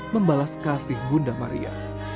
membalas kasih bunda maria